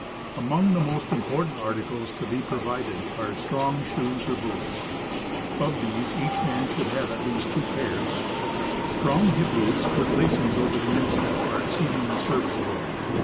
Among the most important articles to be provided are strong shoes or boots ; of these each man should have at least two pairs.' Strong hip boots, with lacings over the instep, are exceedingly serviceable.